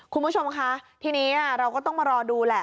คุณผู้ชมคะทีนี้เราก็ต้องมารอดูแหละ